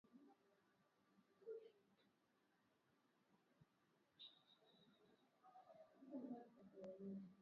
Kulikuwa na ongezeko la bei ya mafuta katika vituo vya kuuzia katika nchi nyingine za Afrika Mashariki